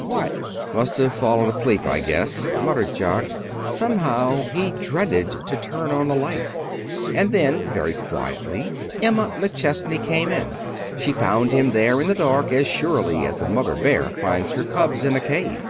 What " "Must have fallen asleep, I guess," muttered Jock. Somehow he dreaded to turn on the lights. And then, very quietly, Emma McChesney came in. She found him, there in the dark, as surely as a mother bear finds her cubs in a cave.